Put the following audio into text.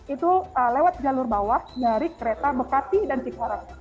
itu eee lewat jalur bawah dari kereta bekati dan cikarang